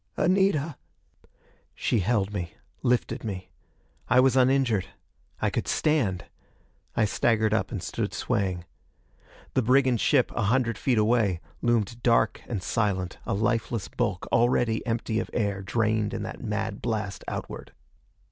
"Anita!" She held me, lifted me. I was uninjured. I could stand; I staggered up and stood swaying. The brigand ship, a hundred feet away, loomed dark and silent, a lifeless bulk, already empty of air, drained in that mad blast outward.